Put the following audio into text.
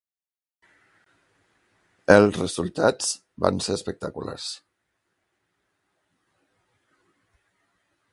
Els resultats van ser espectaculars.